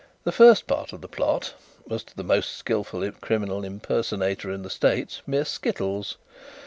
The first part of the plot was, to the most skilful criminal 'impersonator' in the States, mere skittles.